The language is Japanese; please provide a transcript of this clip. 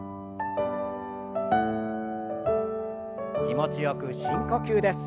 気持ちよく深呼吸です。